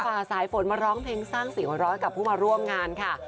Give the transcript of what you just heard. สายฝนมาร้องเพลงสร้างเสียงหัวร้อยกับผู้มาร่วมงานค่ะ